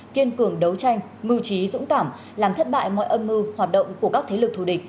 kiên cường đấu tranh mưu trí dũng cảm làm thất bại mọi âm mưu hoạt động của các thế lực thù địch